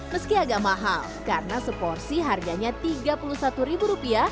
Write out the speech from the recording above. meski agak mahal karena seporsi harganya rp tiga puluh satu